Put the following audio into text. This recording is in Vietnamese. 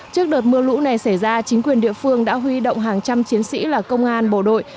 trước đợt mưa lũ này xảy ra chính quyền địa phương đã huy động hàng trăm chiến sĩ là công an bộ đội